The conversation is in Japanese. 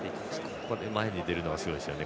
ここで前に出るのはすごいですね。